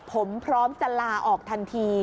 ผมพร้อมจะลาออกทันที